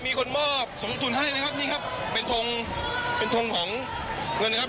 มีคนมอบสมทุนให้นะครับนี่ครับเป็นทงเป็นทงของเงินนะครับ